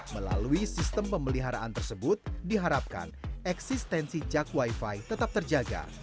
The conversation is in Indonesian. melalui sistem pemeliharaan tersebut diharapkan eksistensi jak wifi tetap terjaga